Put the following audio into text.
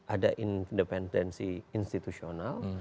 ada independensi institusional